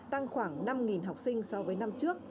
tăng khoảng năm học sinh so với năm trước